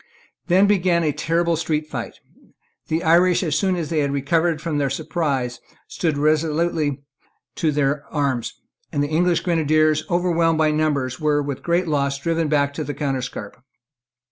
Then began a terrible street fight. The Irish, as soon as they had recovered from their surprise, stood resolutely to their arms; and the English grenadiers, overwhelmed by numbers, were, with great loss, driven back to the counterscarp.